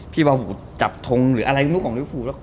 พี่บอบูกจับทงหรืออะไรนู้ของนึกพูแล้ว